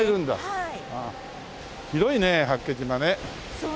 はい。